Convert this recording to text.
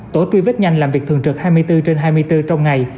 tổ truy vết nhanh làm việc thường trực hai mươi bốn trên hai mươi bốn trong ngày